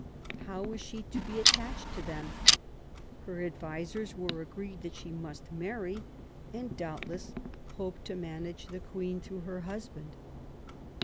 How was she to be attached to them ? Her advisers were agreed that she must marry, and doubtless hoped to manage the Queen through her husband.